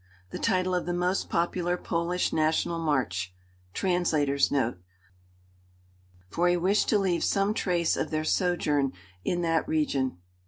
The title of the most popular Polish national march. Translator's note.] for he wished to leave some trace of their sojourn in that region.